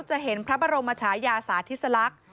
จะเห็นพระบรมชายาสาธิสลักษณ์